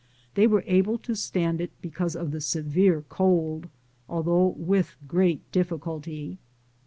They were able to stand it be cause of the severe cold, although with great difficulty.